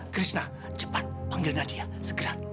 krishna cepat panggil nadia segera